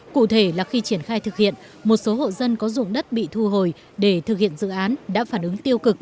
cụ thể là khi triển khai thực hiện một số hộ dân có dụng đất bị thu hồi để thực hiện dự án đã phản ứng tiêu cực